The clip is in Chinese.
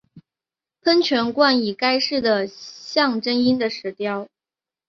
喷泉冠以该市的象征鹰的石雕。